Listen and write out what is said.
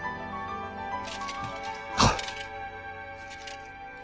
はっ。